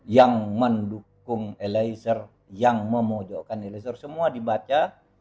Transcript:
yang mendukung eliezer yang memojokkan eliezer semua dibaca